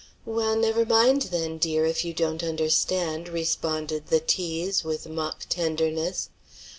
"Well, never mind then, dear, if you don't understand," responded the tease, with mock tenderness.